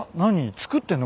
作ってんの？